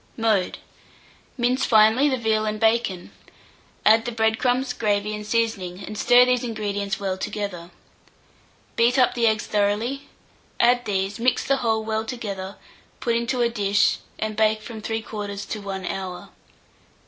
Mode. Mince finely the veal and bacon; add the bread crumbs, gravy, and seasoning, and stir these ingredients well together. Beat up the eggs thoroughly; add these, mix the whole well together, put into a dish, and bake from 3/4 to 1 hour.